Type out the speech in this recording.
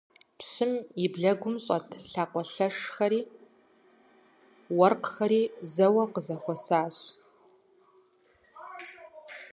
Пщым и блыгум щӀэт лӀакъуэлӀэшхэри уэркъхэри зэуэ къызэхуишэсащ.